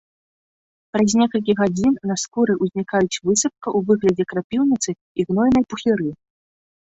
Праз некалькі гадзін на скуры ўзнікаюць высыпка ў выглядзе крапіўніцы і гнойныя пухіры.